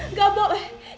gak gak boleh